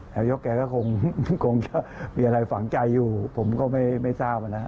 แหลมยกแกก็คงมีอะไรฝังใจอยู่ผมก็ไม่ทราบนะ